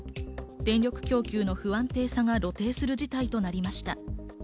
電力供給の不安定さが露呈する事態となりました。